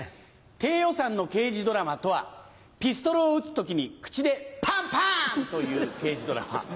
低予算の刑事ドラマとはピストルを撃つ時に口で「パン！パン！」と言う刑事ドラマ。